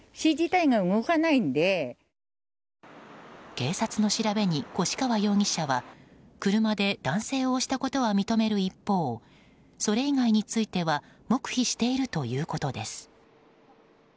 警察の調べに越川容疑者は車で男性を押したことは認める一方それ以外については黙秘しているということです。